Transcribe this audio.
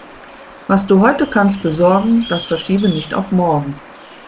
Was du heute kannst besorgen, das verschiebe nicht auf morgen.